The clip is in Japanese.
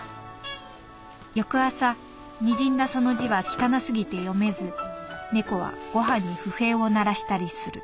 「翌朝にじんだその字は汚すぎて読めず猫はごはんに不平を鳴らしたりする」。